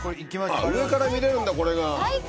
上から見れるんだこれが。